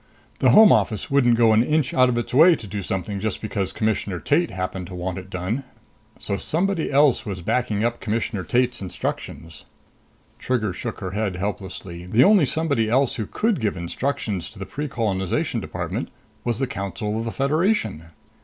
The Home Office wouldn't go an inch out of its way to do something just because Commissioner Tate happened to want it done. So somebody else was backing up Commissioner Tate's instructions. Trigger shook her head helplessly. The only somebody else who could give instructions to the Precolonization Department was the Council of the Federation!